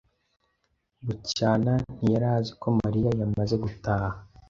Bucyana ntiyari azi ko Mariya yamaze gutaha.